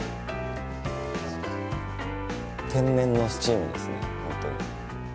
天然のスチームですね、本当に。